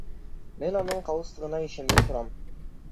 Мен анын калыстыгына ишенбей турам.